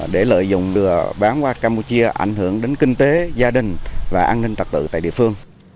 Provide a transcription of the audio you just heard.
để lợi dụng đưa bán qua campuchia ảnh hưởng đến kinh tế gia đình và an ninh trật tự tại địa phương